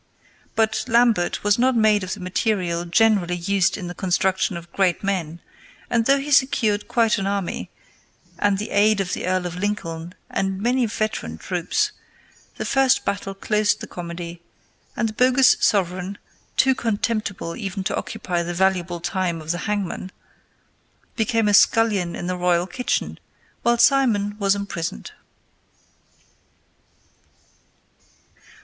But Lambert was not made of the material generally used in the construction of great men, and, though he secured quite an army, and the aid of the Earl of Lincoln and many veteran troops, the first battle closed the comedy, and the bogus sovereign, too contemptible even to occupy the valuable time of the hangman, became a scullion in the royal kitchen, while Simon was imprisoned. [Illustration: SIMON, A PRIEST OF OXFORD, TAKES LAMBERT THE PRETENDER TO IRELAND.